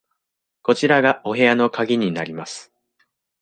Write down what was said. こちらがお部屋の鍵になります。